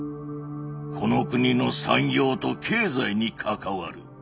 この国の産業と経済に関わる。